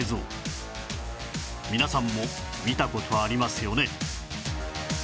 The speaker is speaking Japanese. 皆さんも見た事ありますよね？